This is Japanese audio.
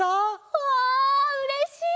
わうれしい！